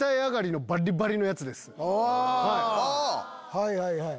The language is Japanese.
はいはいはい。